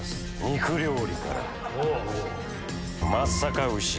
肉料理から。